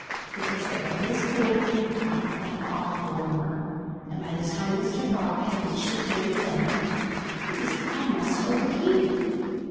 Because the air was cool, the water felt all the warmer. And by the time Mr. Frog had reached his journey's end he was almost overheated.